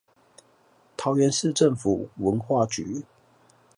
桃園市政府文化局